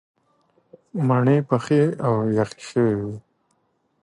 مڼې پخې او یخې شوې وې.